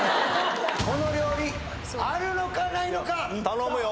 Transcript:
この料理あるのかないのか頼むよ